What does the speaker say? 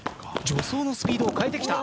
助走のスピードを変えてきた。